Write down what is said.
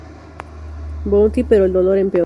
Bounty", pero el dolor empeoró.